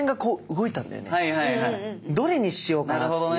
「どれにしようかな」っていう。